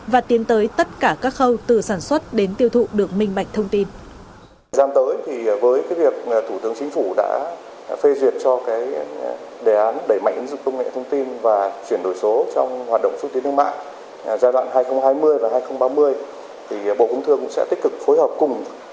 và tiến tới tất cả các khâu từ sản xuất đến tiêu thụ được minh mạch thông tin